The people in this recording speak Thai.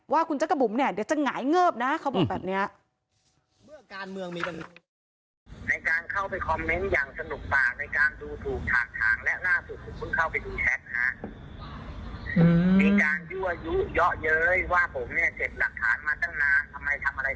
ว่าคุณจักรบุ๋มเนี่ยเดี๋ยวจะหงายเงิบนะเขาบอกแบบนี้